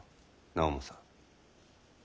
直政。